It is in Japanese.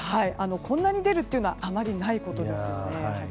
こんなに出るというのはあまりないことですよね。